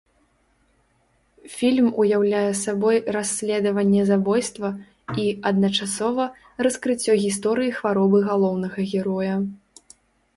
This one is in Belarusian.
Фільм уяўляе сабой расследаванне забойства і, адначасова, раскрыццё гісторыі хваробы галоўнага героя.